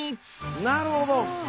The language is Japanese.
なるほど。